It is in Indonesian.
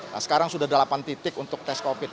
nah sekarang sudah delapan titik untuk tes covid